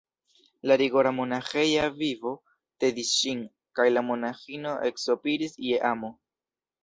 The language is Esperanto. La rigora monaĥeja vivo tedis ŝin, kaj la monaĥino eksopiris je amo.